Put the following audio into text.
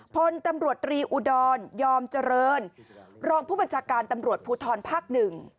พลตำรวจตรีอุดรยอมเจริญรองผู้บัญชาการตำรวจภูทรภาคหนึ่ง